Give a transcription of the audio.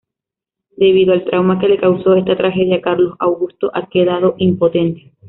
Debido al trauma que le causó esta tragedia, Carlos Augusto ha quedado impotente.